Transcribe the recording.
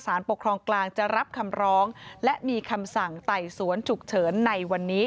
ปกครองกลางจะรับคำร้องและมีคำสั่งไต่สวนฉุกเฉินในวันนี้